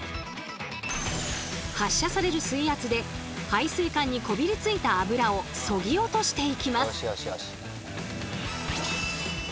発射される水圧で排水管にこびりついたあぶらをそぎ落としていきます。